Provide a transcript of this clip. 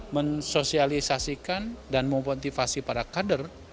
mensosialisasikan dan memotivasi para kader